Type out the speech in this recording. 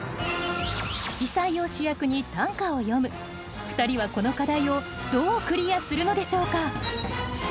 色彩を主役に短歌を詠む２人はこの課題をどうクリアするのでしょうか？